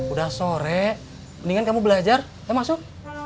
udah sore mendingan kamu belajar eh masuk